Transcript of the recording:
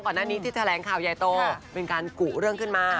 ก่อนหน้านี้ที่แถลงข่าวใหญ่โตเป็นการกุเรื่องขึ้นมา